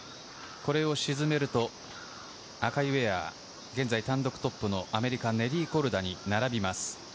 これを沈めると、赤いウエア、現在、単独トップのアメリカ、ネリー・コルダに並びます。